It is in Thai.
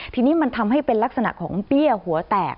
ทีนี้มันทำให้เป็นลักษณะของเบี้ยหัวแตก